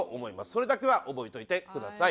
それだけは覚えといてください。